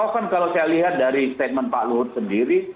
oh kan kalau saya lihat dari statement pak luhut sendiri